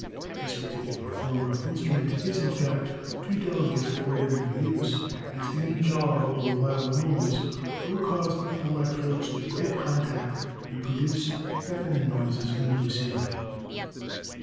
This particular form of instrument is, in fact, too delicate for ordinary use, as any jar or loud noise will cause the electrodes to break contact and produce deafening noises in the receiver.